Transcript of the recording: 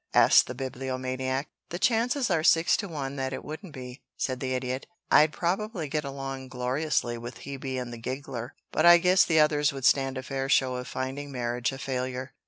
asked the Bibliomaniac. "The chances are six to one that it wouldn't be," said the Idiot. "I'd probably get along gloriously with Hebe and the giggler, but I guess the others would stand a fair show of finding marriage a failure.